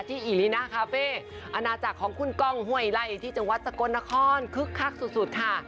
อิลิน่าคาเฟ่อาณาจักรของคุณก้องห้วยไล่ที่จังหวัดสกลนครคึกคักสุดค่ะ